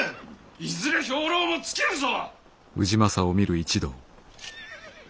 いずれ兵糧も尽きるぞ！